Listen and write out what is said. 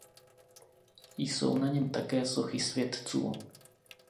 Jsou na něm také sochy světců.